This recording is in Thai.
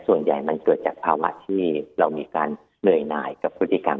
ส่วนใหญ่มันเกิดจากภาวะที่เรามีการเหนื่อยหน่ายกับพฤติกรรม